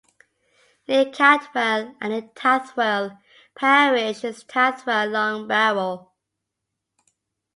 Near Cadwell and in Tathwell parish is Tathwell Long barrow.